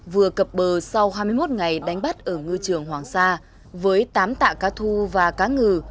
vừa cập bờ sau hai mươi một ngày đánh bắt ở ngư trường hoàng sa với tám tạ cá thu và cá ngừ